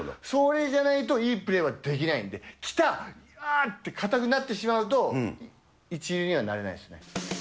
それじゃないといいプレーはできないんで、来たー、ああって硬くなってしまうと、一流にはなれないですね。